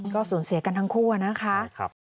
ก็สูญเสียกันทั้งคู่นะคะ